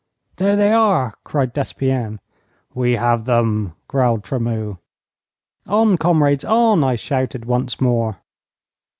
'There they are!' cried Despienne. 'We have them!' growled Tremeau. 'On, comrades, on!' I shouted, once more.